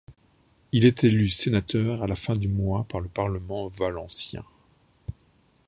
Il est élu sénateur à la fin du mois par le Parlement valencien.